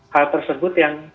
hal tersebut yang